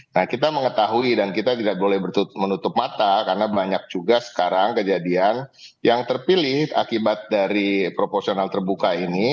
nah kita mengetahui dan kita tidak boleh menutup mata karena banyak juga sekarang kejadian yang terpilih akibat dari proporsional terbuka ini